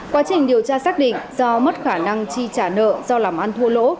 quá trình điều tra xác định do mất khả năng chi trả nợ do làm ăn thua lỗ